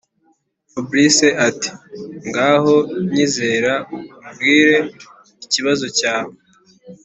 fabric ati”ngaho nyizera ubwire ikibazo cyawe